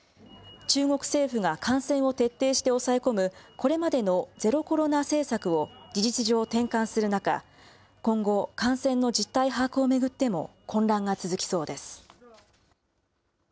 中国政府が感染を徹底して抑え込む、これまでのゼロコロナ政策を事実上転換する中、今後、感染の実態把握を巡っても混乱が続きそうです。